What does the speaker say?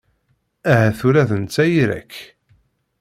Ahat ula d netta ira-k.